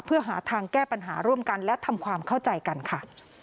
เพื่อหาทางแก้ปัญหาร่วมกันและทำความเข้าใจกันค่ะ